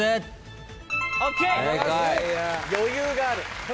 余裕がある。